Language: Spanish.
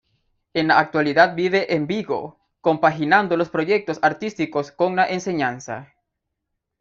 En la actualidad vive en Vigo, compaginando los proyectos artísticos con la enseñanza.